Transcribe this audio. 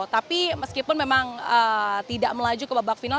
tapi meskipun memang tidak melaju ke babak final